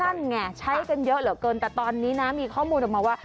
นั่นไงใช้กันเยอะเหลือเกินแต่ตอนนี้นะมีข้อมูลออกมาว่า